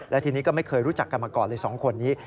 และทีนี้ก็ไม่เคยรู้จักกันมาก่อนเลย๒คนนี้